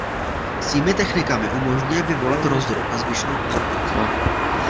Svými technikami umožňuje vyvolat rozruch a zvýšenou pozornost.